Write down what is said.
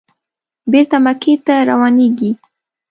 بېرته مکې ته روانېږي.